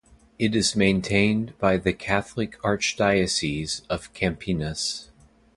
It is maintained by the Catholic Archdiocese of Campinas.